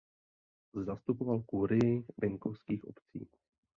Zastupoval kurii venkovských obcí.